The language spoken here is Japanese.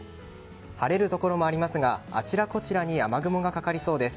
晴れるところもありますがあちらこちらに雨雲がかかりそうです。